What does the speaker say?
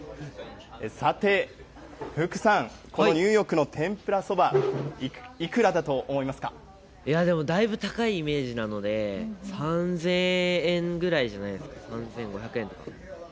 さて、福さん、このニューヨークの天ぷらそば、いや、でもだいぶ高いイメージなので、３０００円ぐらいじゃないですか？